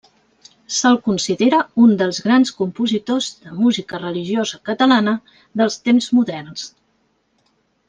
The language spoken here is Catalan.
Se'l considera un dels grans compositors de música religiosa catalana dels temps moderns.